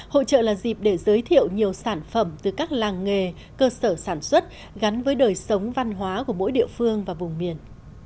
hội trợ là dịp để giới thiệu nhiều sản phẩm từ các làng nghề cơ sở sản xuất gắn với đời sống văn hóa của mỗi địa phương và vùng miền